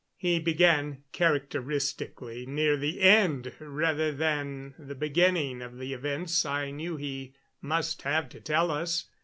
He began, characteristically, near the end rather than the beginning of the events I knew he must have to tell us.